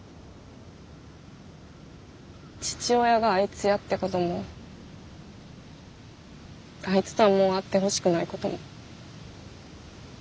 父親があいつやってこともあいつとはもう会ってほしくないことも。